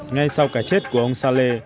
ngay sau cả chết của ông saleh